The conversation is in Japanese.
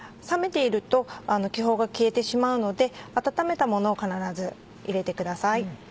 冷めていると気泡が消えてしまうので温めたものを必ず入れてください。